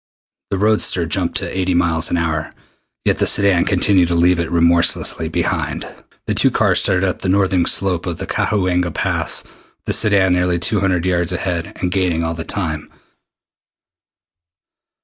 The roadster jumped to eighty miles an hour, yet the sedan continued to leave it remorselessly behind. The two cars started up the northern slope of Cahuenga Pass with the sedan nearly two hundred yards ahead, and gaining all the time.